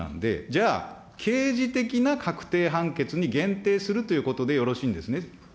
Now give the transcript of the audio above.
じゃあ、刑事的な確定判決に限定するということでよろしいんですね。